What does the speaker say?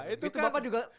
itu bapak juga